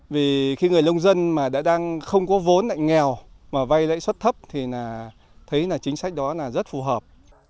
vì khi người lông dân mà đã đang không có vốn lại nghèo mà vay lãi suất thấp thì thấy chính sách đó rất phù hợp